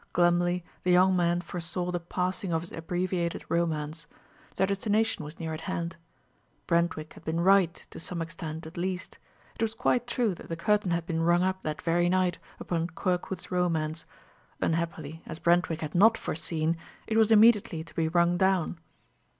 Glumly the young man foresaw the passing of his abbreviated romance; their destination was near at hand. Brentwick had been right, to some extent, at least; it was quite true that the curtain had been rung up that very night, upon Kirkwood's Romance; unhappily, as Brentwick had not foreseen, it was immediately to be rung down.